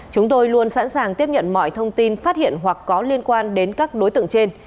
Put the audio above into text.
chúng tôi luôn sẵn sàng tiếp nhận mọi thông tin phát hiện hoặc có liên quan đến các đối tượng trên